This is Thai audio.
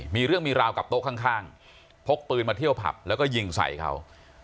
มีเรื่องมีราวกับโต๊ะข้างพกปืนมาเที่ยวผับแล้วก็ยิงใส่เขา